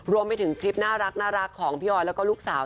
รวมไปถึงคลิปน่ารักของพี่ออยแล้วก็ลูกสาว